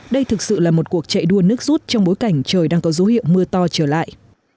đây thực sự là một cuộc chạy đua nước rút trong bối cảnh trời đang có dấu hiệu mưa to trở lại